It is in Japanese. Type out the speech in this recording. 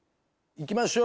いきましょう！